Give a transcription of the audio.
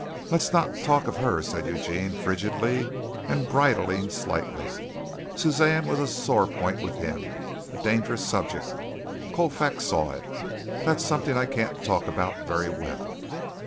"Let's not talk of her," said Eugene frigidly and bridling slightly. Suzanne was a sore point with him. A dangerous subject. Colfax saw it. "That's something I can't talk about very well."